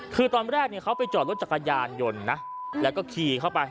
คือตอนแรกเนี่ยเขาไปจอดรถจักรยานยนต์นะแล้วก็ขี่เข้าไป